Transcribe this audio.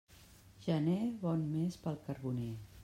Gener, bon mes pel carboner.